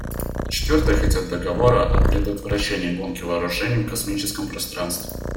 Четвертые хотят договора о предотвращении гонки вооружений в космическом пространстве.